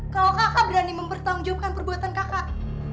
kalau kakak berani mempertanggungjawabkan perbuatan kakak